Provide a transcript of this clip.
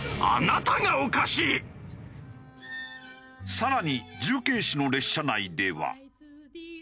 更に重慶市の列車内では。